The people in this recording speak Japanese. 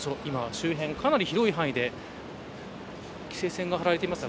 周辺かなり広い範囲で規制線が張られています。